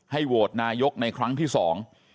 โหวตนายกในครั้งที่สอง